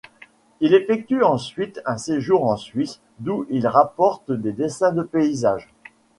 Il effectue ensuite un séjour en Suisse d'où il rapporte des dessins de paysages.